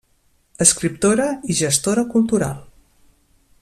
Escriptora i gestora cultural.